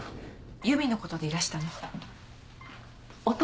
由美のことでいらしたみたい。